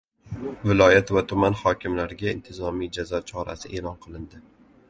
Viloyat va tuman hokimlariga intizomiy jazo chorasi e’lon qilindi